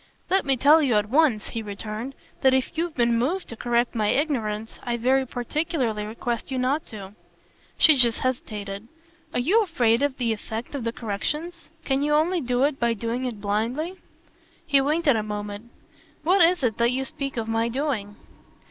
"Let me tell you at once," he returned, "that if you've been moved to correct my ignorance I very particularly request you not to." She just hesitated. "Are you afraid of the effect of the corrections? Can you only do it by doing it blindly?" He waited a moment. "What is it that you speak of my doing?"